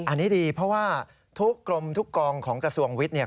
อันนี้ดีเพราะว่าทุกกรมทุกกองของกระทรวงวิทย์เนี่ย